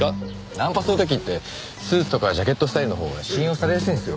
ナンパする時ってスーツとかジャケットスタイルのほうが信用されやすいんですよ。